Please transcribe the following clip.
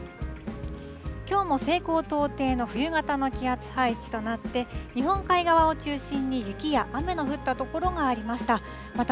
きょうも西高東低の冬型の気圧配置となって、日本海側を中心に雪や雨の降った所がありました。